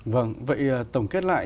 vâng vậy tổng kết lại